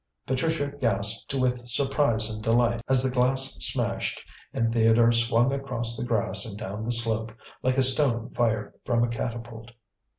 Patricia gasped with surprise and delight as the glass smashed and Theodore swung across the grass and down the slope like a stone fired from a catapult.